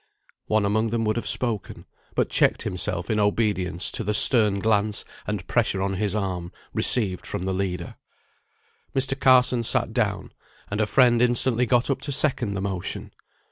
One among them would have spoken, but checked himself in obedience to the stern glance and pressure on his arm, received from the leader. Mr. Carson sat down, and a friend instantly got up to second the motion.